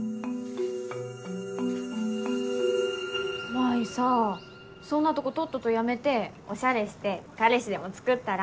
麻依さそんなとことっとと辞めてオシャレして彼氏でもつくったら？